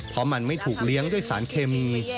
เพราะมันไม่ถูกเลี้ยงด้วยสารเคมี